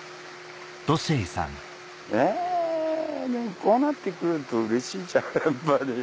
こうなって来るとうれしいじゃんやっぱり。